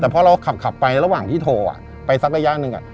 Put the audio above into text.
แต่พอเราขับไประหว่างที่โทรไปสักระยะหนึ่ง